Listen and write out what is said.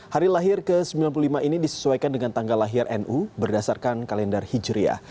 hari lahir ke sembilan puluh lima ini disesuaikan dengan tanggal lahir nu berdasarkan kalender hijriah